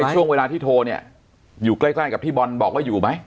ช่วงเวลาที่โทรเนี่ยอยู่ใกล้กับที่บอลบอกว่าอยู่ไหม